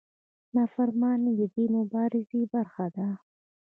نافرماني د دې مبارزې برخه ده.